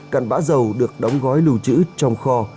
cạn bã dầu được đóng gói lù chữ trong kho